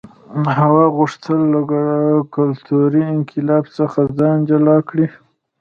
هوا غوښتل له کلتوري انقلاب څخه ځان جلا کړي.